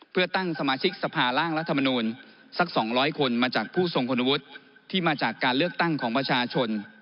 เพื่อตั้งสมาชิกสภาร่างรัฐมนูลสัก๒๐๐คนมาจากผู้ทรงคุณวุฒิที่มาจากการเลือกตั้งของประชาชน